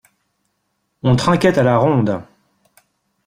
On trinquait à la ronde.